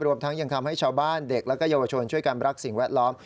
รวมทั้งยังทำให้ชาวบ้านเด็กและเยาวชนช่วยกันรักสิ่งแวดล้อม